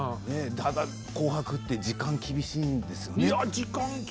ただ「紅白」って時間厳しいんですよね。